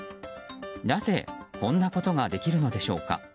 なぜこんなことができるのでしょうか。